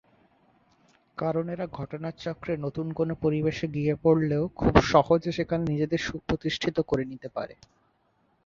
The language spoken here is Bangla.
কারণ এরা ঘটনাচক্রে নতুন কোন পরিবেশে গিয়ে পড়লেও খুব সহজে সেখানে নিজেদের সুপ্রতিষ্ঠিত করে নিতে পারে।